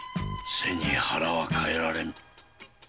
背に腹はかえられぬ。